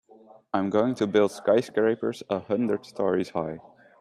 I'm going to build skyscrapers a hundred stories high.